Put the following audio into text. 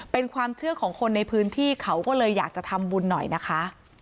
เป็นความเชื่อของคนในพื้นที่เขาก็เลยอยากจะทำบุญหน่อยนะคะ